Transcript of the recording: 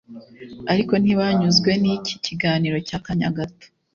. Ariko ntibanyuzwe n’iki kiganiro cy’akanya gato